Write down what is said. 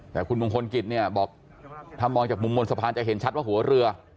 แต่คุณมงคลกิจเนี่ยบอกถ้ามองจากมุมบนสะพานจะเห็นชัดว่าหัวเรือ